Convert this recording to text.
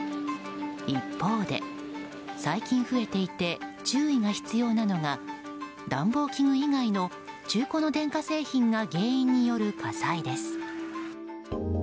一方で、最近増えていて注意が必要なのが暖房器具以外の中古の電化製品が原因による火災です。